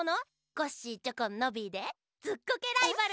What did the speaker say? コッシーチョコンノビーで「ずっこけライバル」。